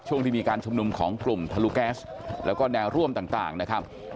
ที่มีการชุมนุมของกลุ่มทะลุแก๊สแล้วก็แนวร่วมต่างนะครับ